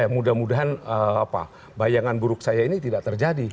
mudah mudahan bayangan buruk saya ini tidak terjadi